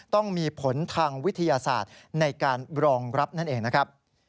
ต้องมีผลทางวิทยาศาสตร์ในการรองรับนั่นเองนะครับ